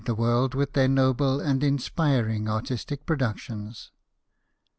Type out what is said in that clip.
165 the world with their noble and inspiring artistic productions.